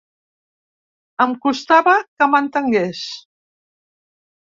Em costava que m’entengués.